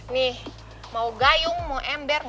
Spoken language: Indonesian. nih mau gayung mau ember